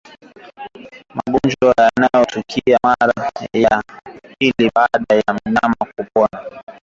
magonjwa yanayotukia mara ya pili baada ya mnyama kupona